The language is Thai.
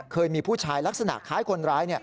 เคยมีผู้ชายลักษณะคล้ายคนร้าย